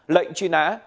lệnh truy nã